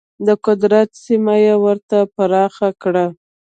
د قدرت سیمه یې ورته پراخه کړه.